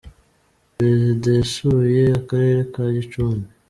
perezida yasuye akarere ka gicumbi.